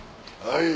はい！